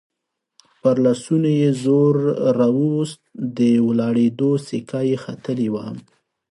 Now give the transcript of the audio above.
پر لاسونو يې زور راووست، د ولاړېدو سېکه يې ختلې وه.